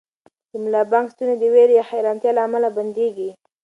د ملا بانګ ستونی د وېرې یا حیرانتیا له امله بندېږي.